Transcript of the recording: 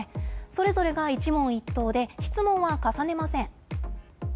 それぞれが一問一答で、質問は重ねません。